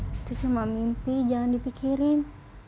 itu cuma mimpi jangan dipikirin